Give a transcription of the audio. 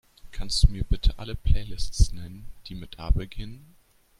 Kannst Du mir bitte alle Playlists nennen, die mit A beginnen?